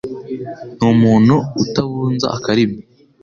Ni umuntu utabunza akarimi